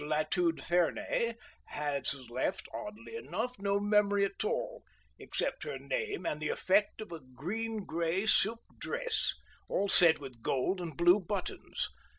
Latude Fernay has left, oddly enough, no memory at all except her name and the effect of a green grey silk dress, all set with gold and blue buttons.